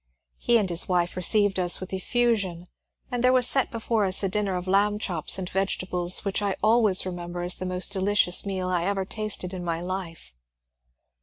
He and his wife received us with effu sion, and there was set before us a dinner of lamb chops and vegetables which I always remember as the most delicious meal I ever tasted in my life.